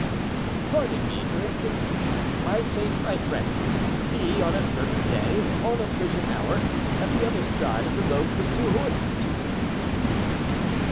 "Pardon me; for instance, I say to my friends, Be on a certain day, on a certain hour, at the other side of the moat with two horses."